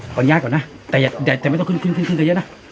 ก็ยาก่อนนะแต่ไม่ต้องขึ้นขึ้นขึ้นขึ้นเราเยอะนะ